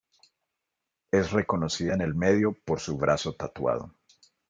Es reconocida en el medio por su brazo tatuado.